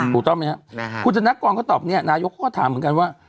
ถูกต้องไหมครับคุณธนกรก็ตอบเนี่ยนายกเขาก็ถามเหมือนกันว่า